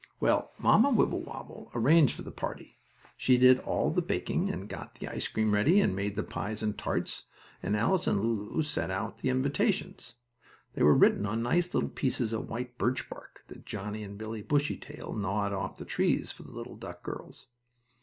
Well, Mamma Wibblewobble arranged for the party. She did all the baking and got the ice cream ready and made the pies and tarts, and Alice and Lulu sent out the invitations. They were written on nice little pieces of white birch bark that Johnnie and Billie Bushytail gnawed off the trees for the little duck girls.